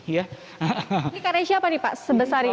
ini karya siapa nih pak sebesar ini